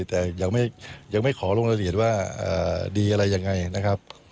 แต่ยังไม่ขอลงรายละเอียดว่าดีอะไรยังไงนะครับ